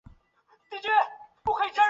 阳城缪侯。